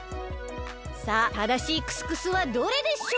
さあただしいクスクスはどれでしょう？